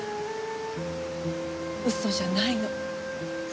嘘じゃないの。